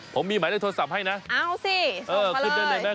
ผมมีหมายเลขโทรศัพท์ให้นะเอาสิเออขึ้นได้เลยไหม